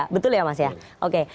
betul ya mas ya oke